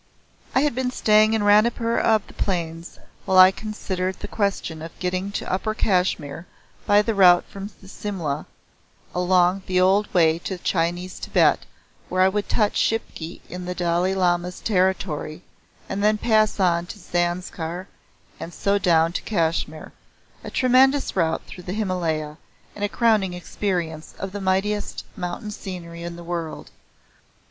I had been staying in Ranipur of the plains while I considered the question of getting to Upper Kashmir by the route from Simla along the old way to Chinese Tibet where I would touch Shipki in the Dalai Lama's territory and then pass on to Zanskar and so down to Kashmir a tremendous route through the Himalaya and a crowning experience of the mightiest mountain scenery in the world.